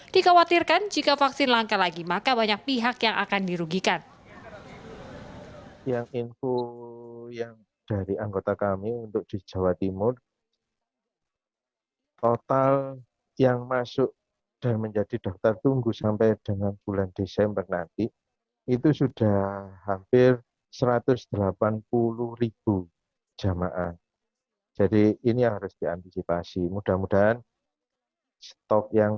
dikawatirkan jika vaksin langka lagi maka banyak pihak yang akan dirugikan